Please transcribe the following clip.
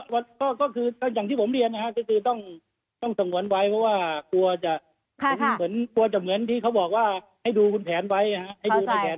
วันนี้ก็คืออย่างที่ผมเรียนนะครับก็คือต้องสงวนไว้เพราะว่ากลัวจะเหมือนที่เขาบอกว่าให้ดูแผนไว้